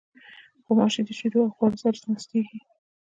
غوماشې د شیدو او خوړو سره ناستېږي.